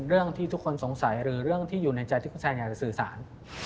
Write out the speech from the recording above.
เรื่องที่ทุกคนสงสัยหรือเรื่องที่อยู่ในใจที่คุณแซนอยากจะสื่อสาร